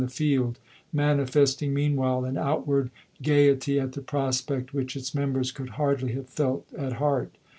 the field, manifesting meanwhile an outward gay ety at the prospect which its members could hardly have felt at heart.